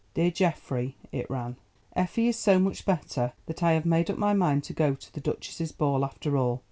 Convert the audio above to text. "DEAR GEOFFREY," it ran, "Effie is so much better that I have made up my mind to go to the duchess's ball after all.